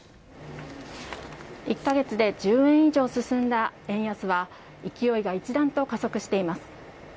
１カ月で１０円以上進んだ円安は勢いが一段と加速しています。